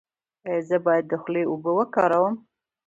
ایا زه باید د خولې اوبه وکاروم؟